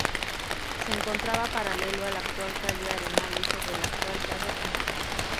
Se encontraba paralelo a la actual calle Arenales, sobre la actual Plaza San Martín.